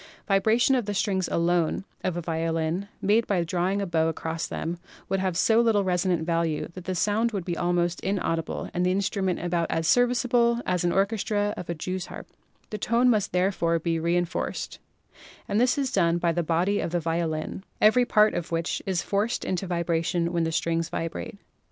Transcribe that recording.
The vibration of the strings alone of a violin, made by drawing a bow across them, would have so little resonant value that the sound would be almost inaudible and the instrument about as serviceable in an orchestra as a jew's harp. The tone must therefore be reinforced, and this is 1 and 3, Portable Harps to* taab of Ttaaesm lit. Fig. 2i — Early Stringed Instruments. done by the body of the violin, every part of which is forced into vibration when the strings vibrate.